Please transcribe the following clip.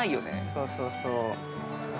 そうそうそう。